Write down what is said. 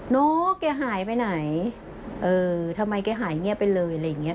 น้องแกหายไปไหนเออทำไมแกหายเงียบไปเลยอะไรอย่างเงี้